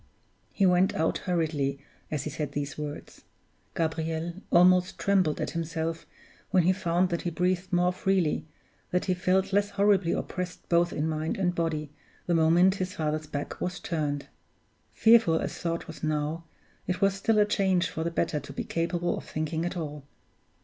He went out hurriedly as he said these words. Gabriel almost trembled at himself when he found that he breathed more freely, that he felt less horribly oppressed both in mind and body, the moment his father's back was turned. Fearful as thought was now, it was still a change for the better to be capable of thinking at all.